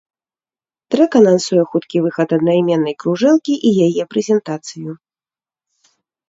Трэк анансуе хуткі выхад аднайменнай кружэлкі і яе прэзентацыю.